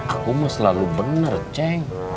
akum mah selalu bener ceng